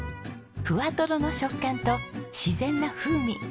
ふわとろの食感と自然な風味。